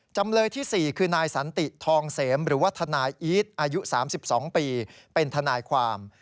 จำเลยที่๔คือนายสันติทองเสมหรือว่าทนายอีทอายุ๓๒ปีเป็นทนายความ